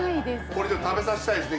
これ食べさせたいですね